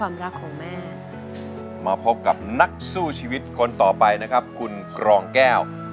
มาพบกับนักสู้ชีวิตคนต่อไปนะครับคุณกรองแก้ว